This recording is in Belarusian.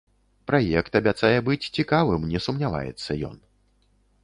Праект абяцае быць цікавым, не сумняваецца ён.